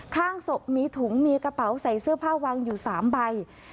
ข้างศพมีถุงมีกระเป๋าใส่เสื้อผ้าวางอยู่๓ใบ